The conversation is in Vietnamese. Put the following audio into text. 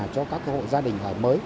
cho các hội gia đình